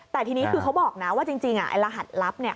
แต่ทีนี้คือเขาบอกนะว่าจริงลหัสลับเนี่ย